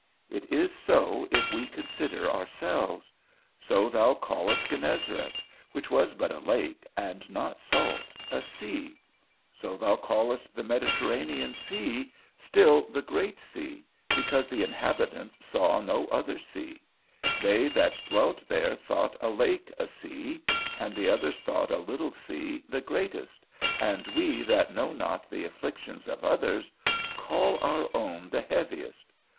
It is so if we consider ourselves; so thou callest Genezareth, which was but a lake, and not salt, a sea; so thou callest the Mediterranean sea still the great sea, because the inhabitants saw no other sea; they that dwelt there thought a lake a sea, and the others thought a little sea, the greatest, and we that know not the afflictions of others call our own the heaviest.